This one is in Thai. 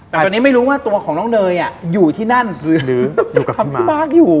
แต่ตอนนี้ไม่รู้ว่าตัวของน้องเนยอยู่ที่นั่นหรืออยู่กับพี่บาทอยู่